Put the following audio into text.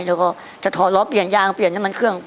แล้วก็จะถอดล้อเปลี่ยนยางเปลี่ยนน้ำมันเครื่อง